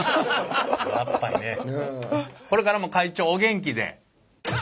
これからも会長お元気で。